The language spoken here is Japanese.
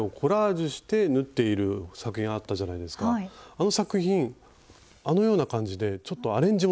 あの作品あのような感じでちょっとアレンジもできるんですよね。